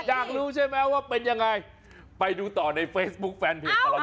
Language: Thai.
อยากรู้ใช่ไหมว่าเป็นยังไงไปดูต่อในเฟซบุ๊คแฟนเพจตลอด